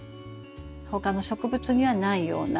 他の植物にはないような。